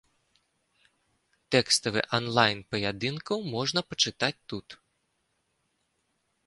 Тэкставы анлайн паядынкаў можна пачытаць тут.